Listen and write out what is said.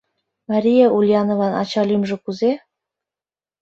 — Мария Ульянован ача лӱмжӧ кузе?